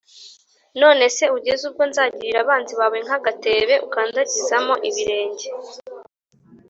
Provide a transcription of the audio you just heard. None se ugeze ubwo nzagirira abanzi bawe nk’agatebe ukandagizaho ibirenge